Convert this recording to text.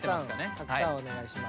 たくさんお願いします。